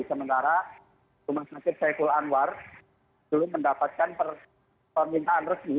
sementara rumah sakit saiful anwar belum mendapatkan permintaan resmi